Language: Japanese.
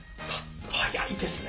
早いですね。